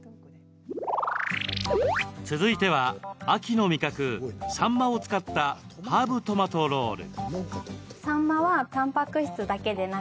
続いては秋の味覚サンマを使ったハーブトマトロール。